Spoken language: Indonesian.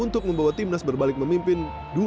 timnas berbalik memimpin dua satu